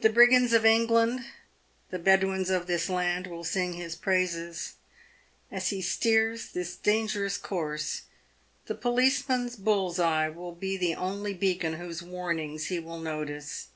The brigands of England, the Bedouins of this land, will sing his praises. As he steers his dangerous course, the policeman's bull's eye will be the only beacon whose warnings he will notice.